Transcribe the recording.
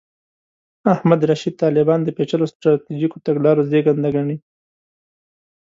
احمد رشید طالبان د پېچلو سټراټیژیکو تګلارو زېږنده ګڼي.